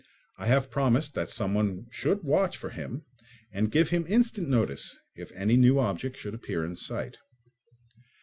I have promised that someone should watch for him and give him instant notice if any new object should appear in sight.